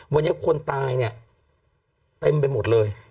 วันนี้คนตายเนี่ยเต็มไปหมดเลย